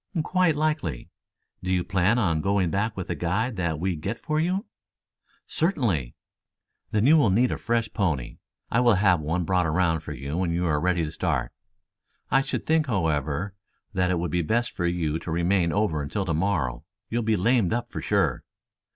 "Quite likely. Do you plan on going back with the guide that we get for you?" "Certainly." "Then you will need a fresh, pony. I will have one brought around for you when you are ready to start. I should think, however, that it would be best for you to remain over until tomorrow. You'll be lamed up for sure."